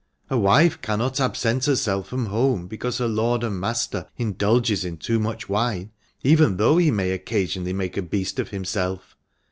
A wife cannot absent herself from home because her lord and master indulges in too much wine, even though he may occasionally make a beast of himself.